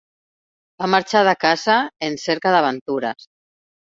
Va marxar de casa en cerca d'aventures.